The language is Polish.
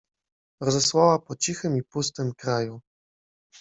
rozesłała się po cichym i pustym kraju.